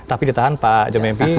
tapi ditahan pak jomim mp